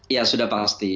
ya sudah pasti